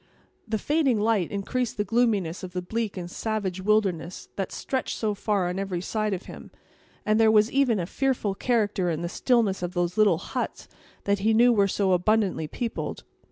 The fading light increased the gloominess of the bleak and savage wilderness that stretched so far on every side of him, and there was even a fearful character in the stillness of those little huts, that he knew were so abundantly peopled.